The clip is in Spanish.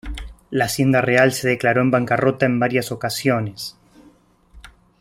La Hacienda Real se declaró en bancarrota en varias ocasiones.